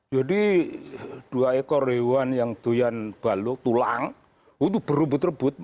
jadi dua ekor rewan yang doyan baluk tulang itu berebut rebut